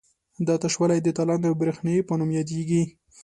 دا تشوالی د تالندې او برېښنا په نوم یادیږي.